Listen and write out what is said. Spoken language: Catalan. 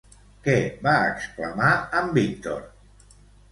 Què va exclamar en Víctor?